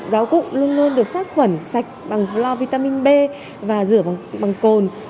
giáo cụ luôn luôn được sát khuẩn sạch bằng cloud vitamin b và rửa bằng cồn